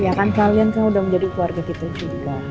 ya kan kalian kan udah menjadi keluarga kita juga